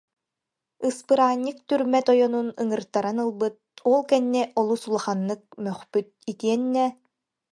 Ыспыраанньык түрмэ тойонун ыҥыртаран ылбыт, ол кэннэ олус улаханнык мөхпүт, итиэннэ: